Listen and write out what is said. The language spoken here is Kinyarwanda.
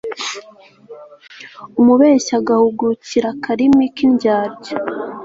umubeshyi agahugukira akarimi k'indyarya